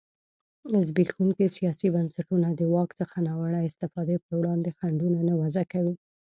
زبېښونکي سیاسي بنسټونه د واک څخه ناوړه استفادې پر وړاندې خنډونه نه وضعه کوي.